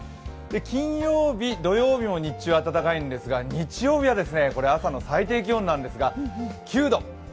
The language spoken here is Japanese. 金曜日、土曜日も日中暖かいんですが日曜日は、朝の最低気温なんですが９度。